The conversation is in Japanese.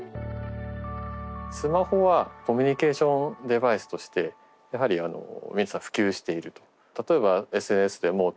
スマホはコミュニケーションデバイスとしてやはり普及していると。